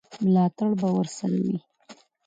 ملاتړ به ورسره وي.